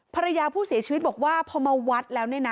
ภรรยาผู้เสียชีวิตบอกว่าพอมาวัดแล้วเนี่ยนะ